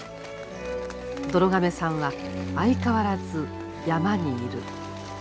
どろ亀さんは相変わらず山にいる。